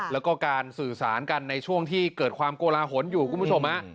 แล้วก็การสื่อสารกันในช่วงที่เกิดความโกลาหลอยู่คุณผู้ชม